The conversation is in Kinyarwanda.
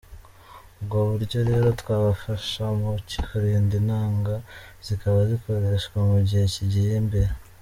Ubwo buryo rero bwafasha mu kurinda intanga zikaba zikoreshwa mu gihe cyigiye imbere.